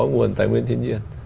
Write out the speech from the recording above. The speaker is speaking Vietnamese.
nguồn tài nguyên thiên nhiên